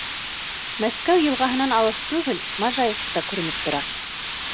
Мәскәү йылғаһынан алыҫ түгел, Можайск та күренеп тора.